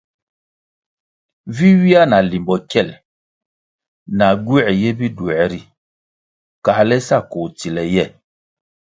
Vi ywia na limbo kyel, na gywē ye biduē ri, kale sa koh tsile ye.